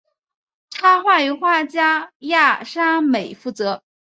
插画由画家亚沙美负责。